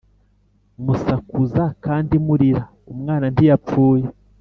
musakuza kandi murira Umwana ntiyapfuye